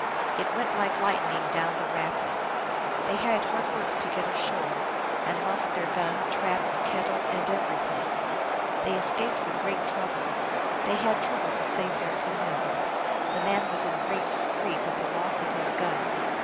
It went like lightning down the rapids. They had hard work to get ashore, and lost their gun, traps, kettle, and everything. They escaped with great trouble ; they had trouble to save their canoe. The man was in great grief at the loss of his gun.